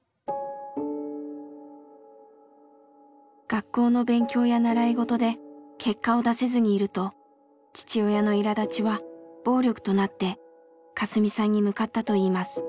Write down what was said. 学校の勉強や習い事で結果を出せずにいると父親のいらだちは暴力となってカスミさんに向かったといいます。